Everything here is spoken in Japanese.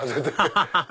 アハハハ